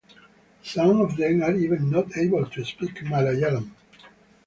Some of them are even not able to speak Malayalam.